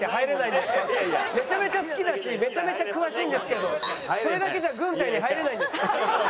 「めちゃめちゃ好きだしめちゃめちゃ詳しいんですけどそれだけじゃ軍隊に入れないんですか？」。